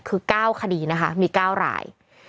คือ๙คดีนะคะมี๙ราย